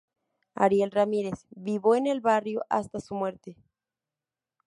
Ariel Ramírez vivó en el barrio hasta su muerte.